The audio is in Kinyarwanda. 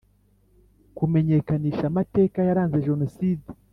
Kumenyekanisha amateka yaranze jenoside